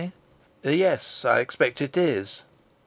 "Yes, I expect it is."